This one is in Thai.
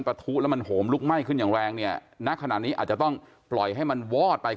ทุแล้วมันโหมลุกไหม้ขึ้นอย่างแรงเนี่ยณขณะนี้อาจจะต้องปล่อยให้มันวอดไป